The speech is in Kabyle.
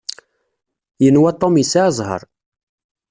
Yenwa Tom yesɛa zzheṛ.